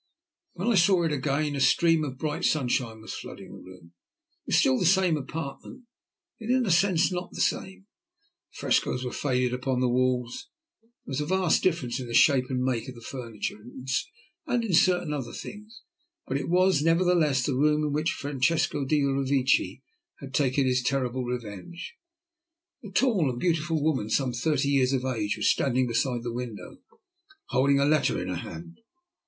When I saw it again a stream of bright sunshine was flooding the room. It was still the same apartment, and yet in a sense not the same. The frescoes were faded upon the walls, there was a vast difference in the shape and make of the furniture, and in certain other things, but it was nevertheless the room in which Francesco del Revecce had taken his terrible revenge. A tall and beautiful woman, some thirty years of age, was standing beside the window holding a letter in her hand.